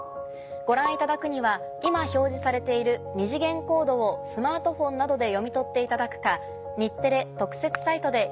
ご覧いただくには今表示されている二次元コードをスマートフォンなどで読み取っていただくか。